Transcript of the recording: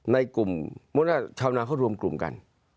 ในกลุ่มชาวนาเขารวมกลุ่มกัน